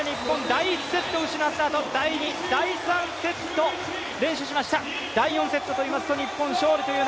第１セットを失ったあと第２、第３セット週末が！！